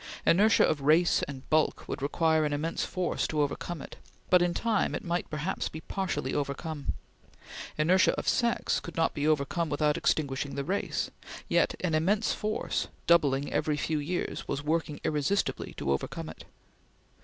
Inertia of race and bulk would require an immense force to overcome it, but in time it might perhaps be partially overcome. Inertia of sex could not be overcome without extinguishing the race, yet an immense force, doubling every few years, was working irresistibly to overcome it.